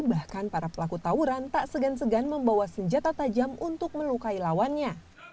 bahkan para pelaku tawuran tak segan segan membawa senjata tajam untuk melukai lawannya